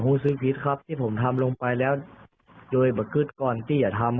ซื้อพิษครับที่ผมทำลงไปแล้วโดยบังเกิดก่อนที่อย่าทำ